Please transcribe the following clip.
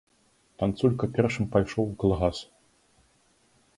Танцулька першым пайшоў у калгас.